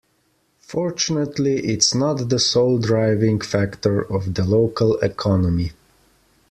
Fortunately its not the sole driving factor of the local economy.